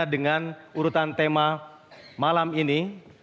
dengan urutan tema malam ini